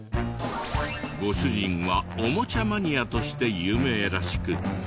ご主人はおもちゃマニアとして有名らしく。